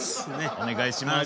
お願いします。